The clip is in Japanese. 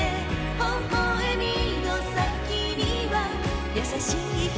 微笑みの先にはやさしい瞳